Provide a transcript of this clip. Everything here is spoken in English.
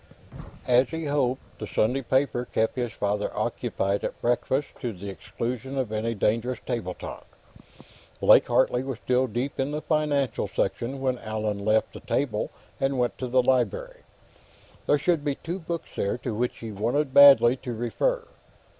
As he had hoped, the Sunday paper kept his father occupied at breakfast, to the exclusion of any dangerous table talk. Blake Hartley was still deep in the financial section when Allan left the table and went to the library. There should be two books there to which he wanted badly to refer.